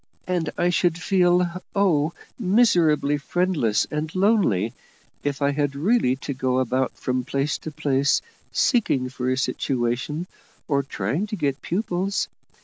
And I should feel, oh! miserably friendless and lonely if I had really to go about from place to place seeking for a situation, or trying to get pupils.